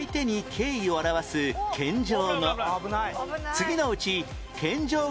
次のうち